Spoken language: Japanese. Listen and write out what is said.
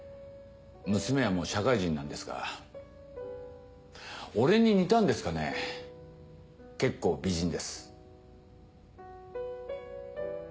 娘はもう社会人なんですが俺に似たんですかね結構美人です。